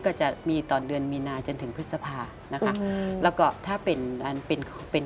กรูผู้สืบสารล้านนารุ่นแรกแรกรุ่นเลยนะครับผม